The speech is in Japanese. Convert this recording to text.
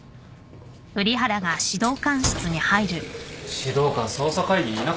指導官捜査会議にいなかったけど。